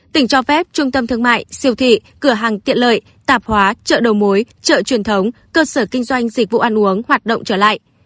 tỉnh cho phép trung tâm thương mại siêu thị cửa hàng tiện lợi tạp hóa chợ đầu mối chợ truyền thống cơ sở kinh doanh dịch vụ ăn uống hoạt động trở lại